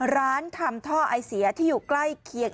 ร้านทำท่อไอเสียที่อยู่ใกล้เคียง